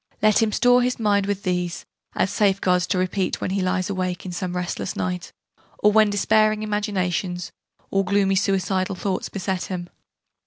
Let him store his mind with these, as safeguards to repeat when he lies awake in some restless night, or when despairing imaginations, or gloomy, suicidal thoughts, beset him.